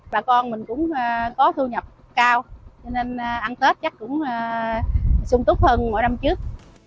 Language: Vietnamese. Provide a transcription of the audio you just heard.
bà con mình cũng có thu nhập cao cho nên ăn tết chắc cũng sung túc hơn mỗi năm trước